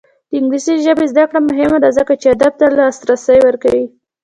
د انګلیسي ژبې زده کړه مهمه ده ځکه چې ادب ته لاسرسی ورکوي.